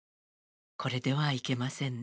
これではいけませんね」。